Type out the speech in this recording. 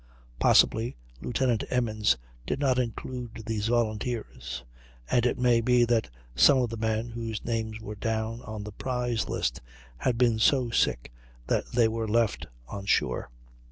Possibly Lieutenant Emmons did not include these volunteers; and it may be that some of the men whose names were down on the prize list had been so sick that they were left on shore.